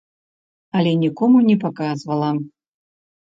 Але нікому не паказвала.